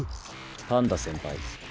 パンダ先輩。